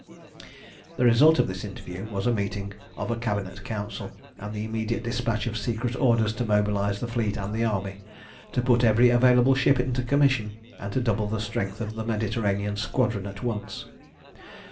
The result of this interview was a meeting of a Cabinet Council, and the immediate despatch of secret orders to mobilise the fleet and the army, to put every available ship into commission, and to double the strength of the Mediterranean Squadron at once.